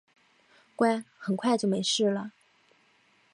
乖，很快就没事了